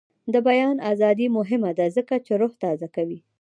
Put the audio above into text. د بیان ازادي مهمه ده ځکه چې روح تازه کوي.